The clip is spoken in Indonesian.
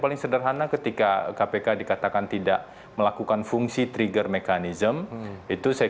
paling sederhana ketika kpk dikatakan tidak melakukan fungsi trigger mechanism itu saya